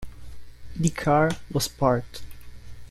The car was parked.